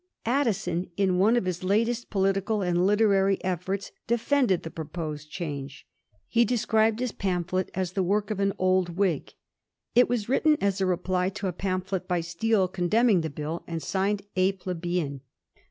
Addison, in one of his latest political and literary efforts, defended the proposed change. He described his pamphlet as the work of an ^ Old Whig.' It was written as a reply to a pamphlet by Steele condemning the Bill, and signed * A Plebeian.'